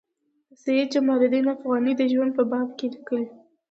د سید جمال الدین افغاني د ژوند په باب لیکي.